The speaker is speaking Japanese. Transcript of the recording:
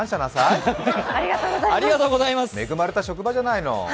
恵まれた職場じゃないの。